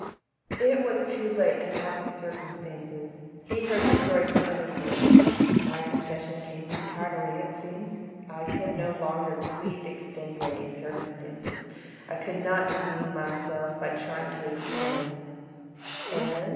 "It was too late to talk of 'circumstances'; he heard the story from other sources; my confession came too tardily, it seems. I could no longer plead extenuating circumstances: I could not bemean myself by trying to explain—" "And?"